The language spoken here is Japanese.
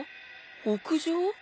屋上？